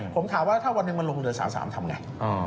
ผมถามว่าถ้าวันนี้มันลงเกิด๓๓ทำไง